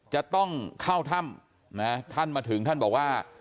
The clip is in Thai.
จะต้องเข้าถ้ำนะท่านมาถึงท่านบอกว่า